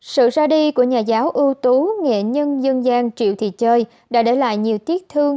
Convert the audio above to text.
sự ra đi của nhà giáo ưu tú nghệ nhân dân gian triệu thị chơi đã để lại nhiều tiếc thương